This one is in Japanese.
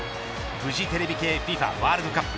フジテレビ系ＦＩＦＡワールドカップ